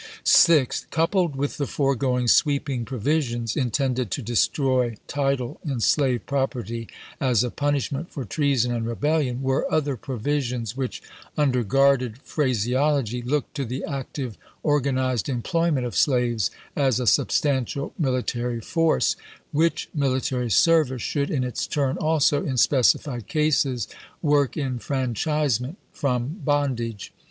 Sixth. Coupled with the foregoing sweeping pro visions, intended to destroy title in slave property as a punishment for treason and rebeUion, were other provisions, which, under guarded phrase ology, looked to the active organized employment of slaves as a substantial military force — which military service should in its turn also, in specified cases, work enfranchisement from bondage.